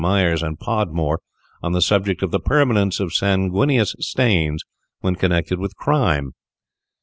Myers and Podmore on the subject of the Permanence of Sanguineous Stains when connected with Crime.